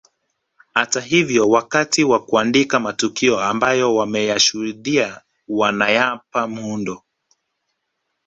Hata hivyo wakati wa kuandika matukio ambayo wameyashuhudia wanayapa muundo